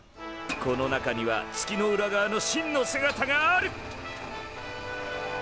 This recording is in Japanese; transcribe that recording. この中には月の裏側の真の姿がある！